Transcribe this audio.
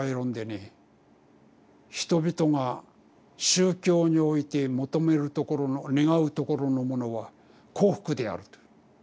「人々が宗教において求めるところのねがうところのものは幸福である」と。